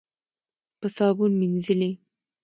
په صابون مینځلې.